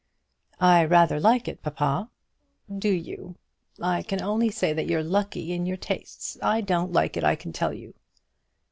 "I rather like it, papa." "Do you? I can only say that you're lucky in your tastes. I don't like it, I can tell you."